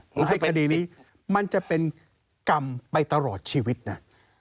มาให้คดีนี้มันจะเป็นกรรมไปตลอดชีวิตนะ